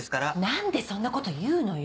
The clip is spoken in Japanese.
何でそんなこと言うのよ。